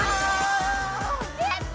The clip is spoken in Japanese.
やった！